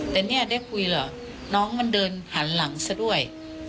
แต่เนี่ยได้คุยเหรอน้องมันเดินหันหลังซะด้วย